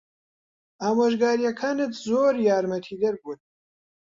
ئامۆژگارییەکانت زۆر یارمەتیدەر بوون.